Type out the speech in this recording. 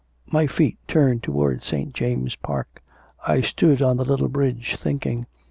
... My feet turned towards St. James' Park. I stood on the little bridge thinking.